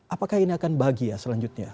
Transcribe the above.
apakah ini akan bahagia selanjutnya